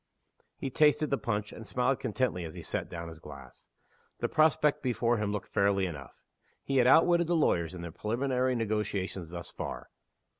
He tasted the punch, and smiled contentedly as he set down his glass. The prospect before him looked fairly enough. He had outwitted the lawyers in the preliminary negotiations thus far.